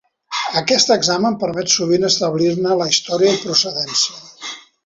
Aquest examen permet sovint establir-ne la història i procedència.